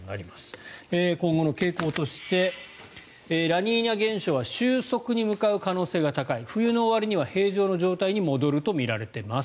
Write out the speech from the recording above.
今後の傾向としてラニーニャ現象は終息に向かう可能性が高い冬の終わりには平常の状態に戻るとみられています。